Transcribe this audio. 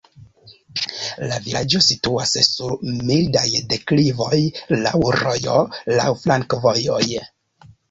La vilaĝo situas sur mildaj deklivoj, laŭ rojo, laŭ flankovojoj.